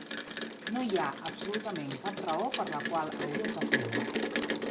No hi ha absolutament cap raó per la qual hauries de fer-ho.